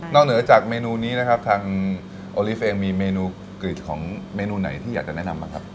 เหนือจากเมนูนี้นะครับทางโอลิเฟงมีเมนูกรีดของเมนูไหนที่อยากจะแนะนำบ้างครับ